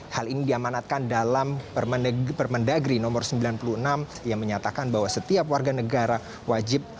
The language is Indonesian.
hal ini diamanatkan dalam permendagri nomor sembilan puluh enam yang menyatakan bahwa setiap warga negara wajib